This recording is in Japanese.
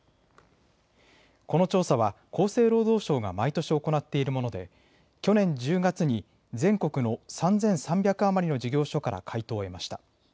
この調査は厚生労働省が毎年行っているもので去年１０月に全国の３３００余りの事業所から回答を得ました。